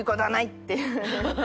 っていう。